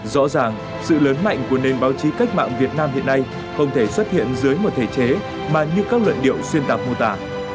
rõ ràng sự lớn mạnh của nền báo chí cách mạng việt nam hiện nay không thể xuất hiện dưới một thể chế mà như các luận điệu xuyên tạc mô tả